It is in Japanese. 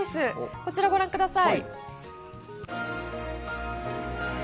こちらをご覧ください。